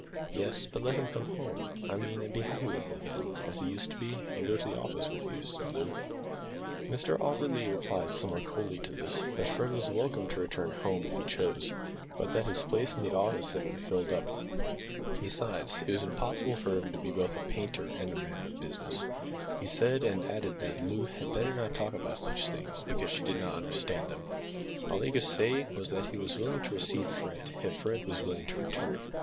"Yes, but let him come home, I mean, and be happy with us again as he used to be, and go to the office with you," said Loo. Mr Auberly replied somewhat coldly to this that Fred was welcome to return home if he chose, but that his place in the office had been filled up. Besides, it was impossible for him to be both a painter and a man of business, he said, and added that Loo had better not talk about such things, because she did not understand them. All he could say was that he was willing to receive Fred, if Fred was willing to return.